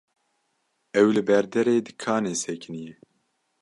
ew li ber derê dikanê sekiniye.